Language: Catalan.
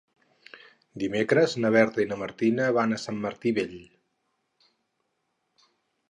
Dimecres na Berta i na Martina van a Sant Martí Vell.